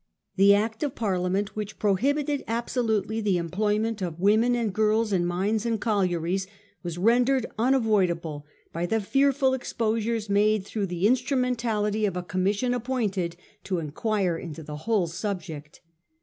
The Act of Parliament which prohibited absolutely the employment of women and girls in mines and collieries was rendered unavoid able by the fearful exposures made through the in strumentality of a Commission appointed to inquire into the whole subject.